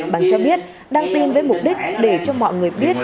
bằng cho biết đăng tin với mục đích để cho mọi người biết